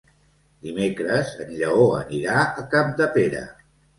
Dimecres en Lleó anirà a Capdepera.